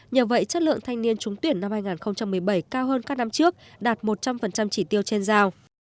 nhờ vậy chất lượng thanh niên trúng tuyển năm hai nghìn một mươi bảy cao hơn các năm trước đạt một trăm linh chỉ tiêu trên giao